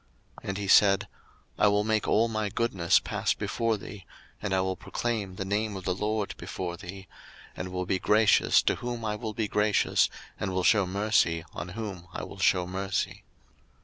02:033:019 And he said, I will make all my goodness pass before thee, and I will proclaim the name of the LORD before thee; and will be gracious to whom I will be gracious, and will shew mercy on whom I will shew mercy.